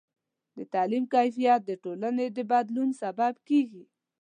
د تعلیم کیفیت د ټولنې د بدلون سبب کېږي.